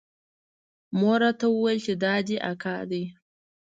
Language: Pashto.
مور راته وويل چې دا دې اکا دى.